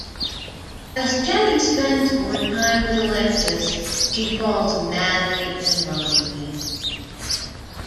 As Jenny spends more time with Alexis, she falls madly in love with him.